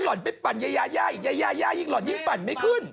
หลอนไปปั่นย้ายิ่งหลอนยิ่งปั่นไม่ขึ้น